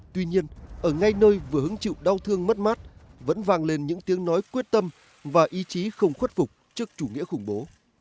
tuy nhiên ở ngay nơi vừa hứng chịu đau thương mất mát vẫn vàng lên những tiếng nói quyết tâm và ý chí không khuất phục trước chủ nghĩa khủng bố